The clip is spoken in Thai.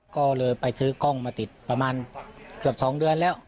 ก็เลยไปซื้อกล้องมาติดประมาณเกือบ๒เดือนแล้ว